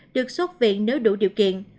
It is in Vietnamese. được xuất viện nếu đủ điều kiện